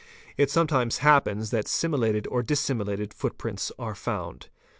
It sometimes happens that similated or dissimilated footprints are found.